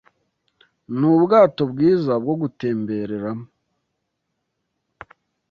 Nubwato bwiza bwo gutembereramo